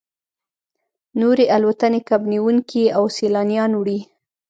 نورې الوتنې کب نیونکي او سیلانیان وړي